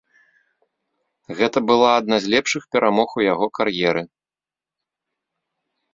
Гэта была адна з лепшых перамог у яго кар'еры.